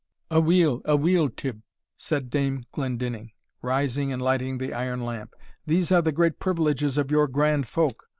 "Aweel, aweel, Tibb," said Dame Glendinning, rising and lighting the iron lamp, "these are great privileges of your grand folk.